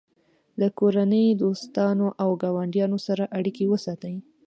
له کورنۍ، دوستانو او ګاونډیانو سره اړیکې وساتئ.